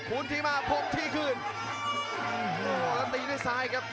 ประโยชน์ทอตอร์จานแสนชัยกับยานิลลาลีนี่ครับ